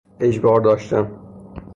اجبار داشتن